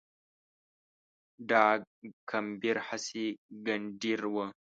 ډاګ کمبېر هسي ګنډېر و